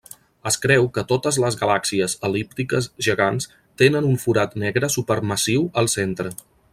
Es creu que totes les galàxies el·líptiques gegants tenen un forat negre supermassiu al centre.